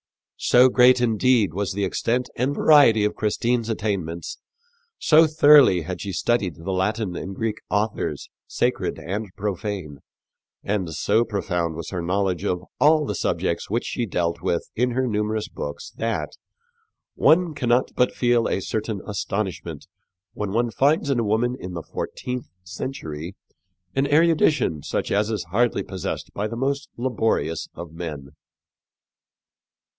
So great, indeed, was the extent and variety of Christine's attainments, so thoroughly had she studied the Latin and Greek authors, sacred and profane, and so profound was her knowledge of all the subjects which she dealt with in her numerous books that "one cannot but feel a certain astonishment when one finds in a woman in the fourteenth century an erudition such as is hardly possessed by the most laborious of men."